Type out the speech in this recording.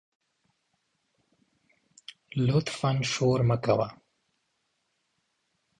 لطفآ شور مه کوه